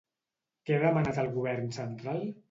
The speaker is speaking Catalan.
Què ha demanat al govern central?